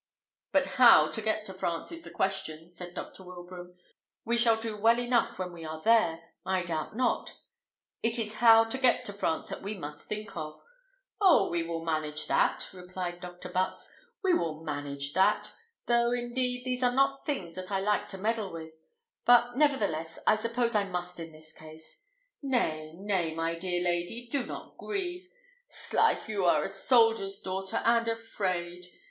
"But how to get to France is the question," said Dr. Wilbraham: "we shall do well enough when we are there, I doubt not. It is how to get to France that we must think of." "Oh! we will manage that," replied Dr. Butts; "we will manage that: though, indeed, these are not things that I like to meddle with; but, nevertheless, I suppose I must in this case. Nay, nay, my dear lady, do not grieve. 'Slife! you a soldier's daughter, and afraid!